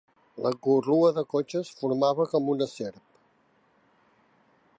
La corrua de cotxes formava com una serp.